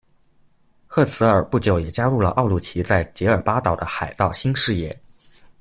赫兹尔不久也加入了奥鲁奇在杰尔巴岛的海盗新事业。